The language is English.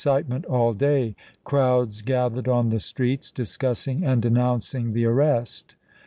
citement all day. Crowds gathered on the streets, discussing and denouncing the arrest.